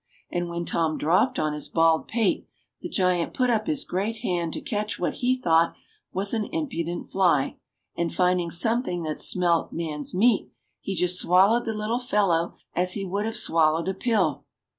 And when Tom dropped on his bald pate the giant put up his great hand to catch what he thought was an impudent fly, and finding something that smelt man's meat, he just swallowed the little fellow as he would have swallowed a pill